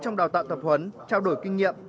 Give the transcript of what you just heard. trong đào tạo thập huấn trao đổi kinh nghiệm